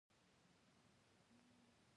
شېخ متي عارف، عالم او اديب سړی وو.